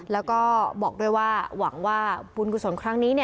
แล้วก็บอกด้วยว่าหวังว่าบุญกุศลครั้งนี้